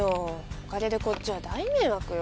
お陰でこっちは大迷惑よ。